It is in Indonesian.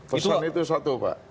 kesan itu satu pak